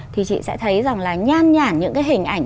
thì chị sẽ thấy rằng là nhan nhản những cái hình ảnh